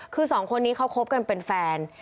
คือสองคนนี้เขาคบกันเป็นแฟน